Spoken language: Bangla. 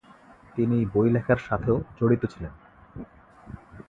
তিনি বই লেখার সাথেও জড়িত ছিলেন।